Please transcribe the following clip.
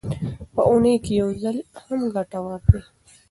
په اونۍ کې یو ځل هم ګټور دی.